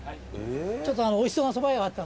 ちょっとおいしそうなそば屋があったんで。